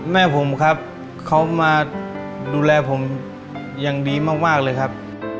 แม่ผมครับเขามาดูแลผมอย่างดีมากเลยครับ